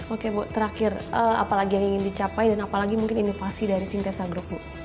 oke bu terakhir apalagi yang ingin dicapai dan apalagi mungkin inovasi dari sintesa group bu